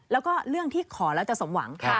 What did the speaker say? แล้วก็เรื่องที่ขอแล้วจะสมหวัง